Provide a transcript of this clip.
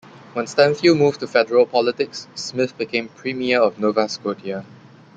When Stanfield moved to federal politics, Smith became Premier of Nova Scotia.